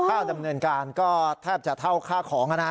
ค่าดำเนินการก็แทบจะเท่าค่าของนะฮะ